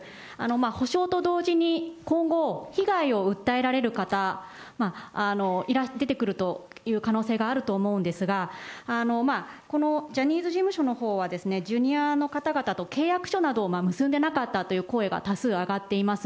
補償と同時に、今後、被害を訴えられる方、出てくるという可能性があると思うんですが、このジャニーズ事務所のほうは、ジュニアの方々と契約書などを結んでなかったという声が多数上がっています。